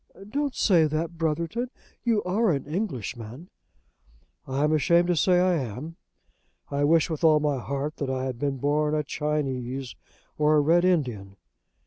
"Don't say that, Brotherton. You are an Englishman." "I am ashamed to say I am. I wish with all my heart that I had been born a Chinese or a Red Indian."